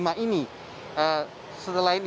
jadi setelah itu